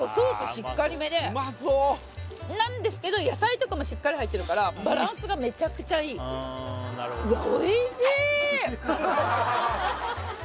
しっかりめでなんですけど野菜とかもしっかり入ってるからバランスがめちゃくちゃいいいや